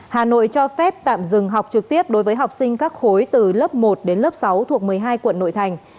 hà nội cho phép tạm dừng học trực tiếp đối với học sinh các khối từ lớp một đến lớp sáu thuộc một mươi hai quận nội thành